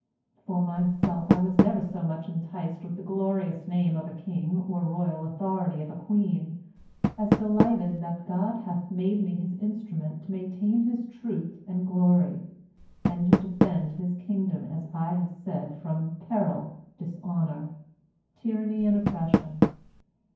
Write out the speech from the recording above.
For myself I was never so much enticed with the glorious name of a King or royal authority of a Queen as delighted that God hath made me his instrument to maintain his truth and glory and to defend his kingdom as I said from peril, dishonour, tyranny and oppression.